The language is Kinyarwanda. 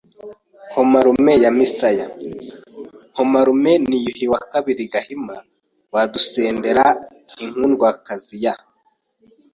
Nkomyurume ya Misaya: Nkomyurume ni Yuhi II Gahima Wadusendera inkundwakazi ya